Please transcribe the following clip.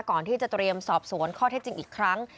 ก่อนที่จะเตรียมสอบสวนข้อเท็จจริงอีกครั้ง